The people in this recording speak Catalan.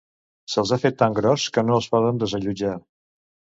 Se'ls ha fet tan gros que no els poden desallotjar